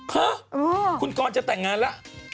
ฮึ่ยคุณกรรณ์จะแต่งงานแล้ว